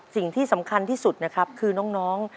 สิ่งที่สำคัญที่สุดนะครับคือน้อง